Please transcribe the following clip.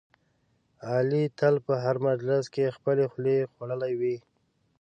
علي تل په هر مجلس کې خپلې خولې خوړلی وي.